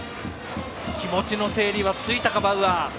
気持ちの整理はついたかバウアー。